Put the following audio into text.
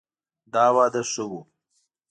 دا واده ښه ؤ